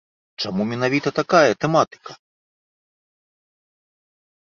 Чаму менавіта такая тэматыка?